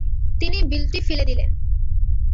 তিনি বিলটি ফেলে দেন।